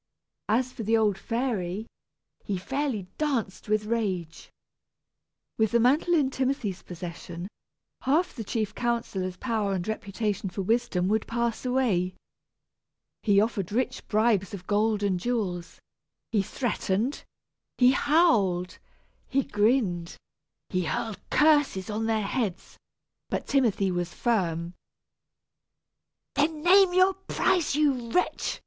As for the old fairy, he fairly danced with rage. With the mantle in Timothy's possession, half the chief counsellor's power and reputation for wisdom would pass away. He offered rich bribes of gold and jewels, he threatened, he howled, he grinned, he hurled curses on their heads, but Timothy was firm. "Then name your price, you wretch!"